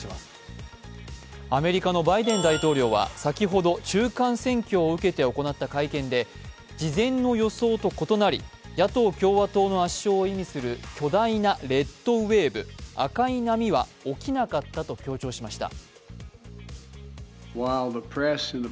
アメリカのバイデン大統領は先ほど中間選挙を受けて行った会見で事前の予想と異なり野党・共和党の圧勝を意味する巨大なレッドウェーブ、赤い波は起きなかったと強調しました。